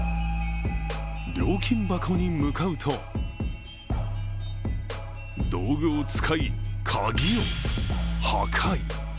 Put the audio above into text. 料金箱に向かうと道具を使い、鍵を破壊。